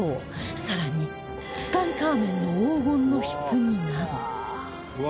さらにツタンカーメンの黄金の棺など